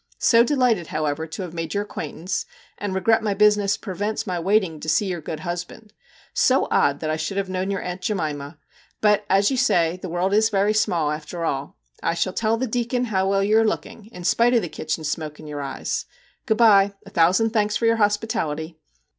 So delighted, however, to have made your ac quaintance, and regret my business prevents my waiting to see your good husband. So odd that I should have known your aunt Jemima! But, as you say, the world is very small after all. I shall tell the Deacon how well you are looking in spite of the kitchen smoke in your eyes. Good bye ! A thousand thanks for your hospitality.'